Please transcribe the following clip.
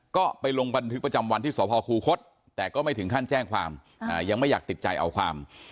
ก็ไปลงบันทึกประจำวันที่สพคูคศแต่ก็ไม่ถึงขั้นแจ้งความยังไม่อยากติดใจเอาความ